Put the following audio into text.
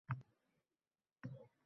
Himmati yo’qlarning hurmati yo’qdir